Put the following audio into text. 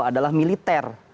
beliau adalah militer